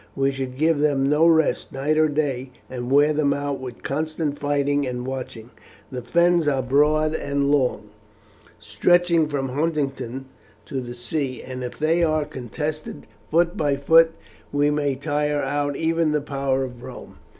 We should give them no rest night or day, and wear them out with constant fighting and watching. The fens are broad and long, stretching from Huntingdon to the sea; and if they are contested foot by foot, we may tire out even the power of Rome."